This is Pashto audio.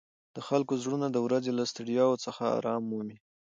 د خلکو زړونه د ورځې له ستړیاوو څخه آرام مومي.